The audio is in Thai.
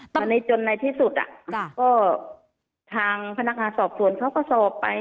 ค่ะวันนี้จนในที่สุดอ่ะค่ะก็ทางพนักงานสอบส่วนเขาก็สอบไป